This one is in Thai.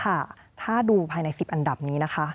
ค่ะถ้าดูภายใน๑๐อันดับนี้นะคะ